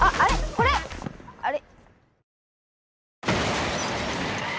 これあれ？